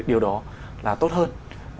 điều đó là tốt hơn